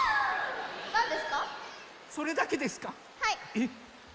えっ⁉